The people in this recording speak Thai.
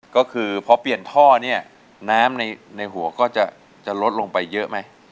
ก็คือพอเปลี่ยนท่อเนี่ยน้ำในหัวก็จะลดลงไปเยอะไหม